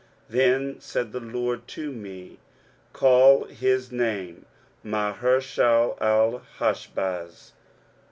Then said the LORD to me, Call his name Mahershalalhashbaz.